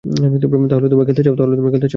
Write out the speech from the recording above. তাহলে তোমরা খেলতে চাও?